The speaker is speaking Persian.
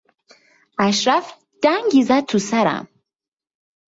اشرف دنگی زد توسرم.